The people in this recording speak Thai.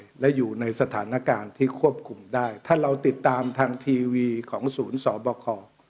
และอยู่ในสถานการณ์ที่ควบคุมได้ถ้าเราติดตามทางทีวีของศูนย์สบค